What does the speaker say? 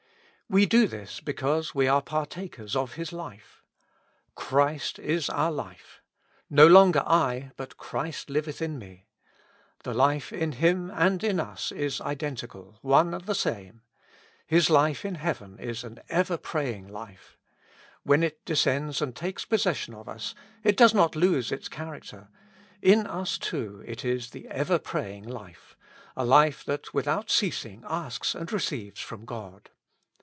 We do this because we are partakers of His life :" Christ is our life ;" "No longer I, but Christ Hveth in me." The life in Him and in us is identical, one and the same. His life in heaven is an ever praying life. When it descends and takes possession of us, it does not lose its character ; in us too it is the ever f7^aying life — a life that without ceasing asks and re ceives from God.